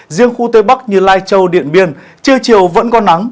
riêng khu tây bắc như lai châu điện biên trưa chiều vẫn có nắng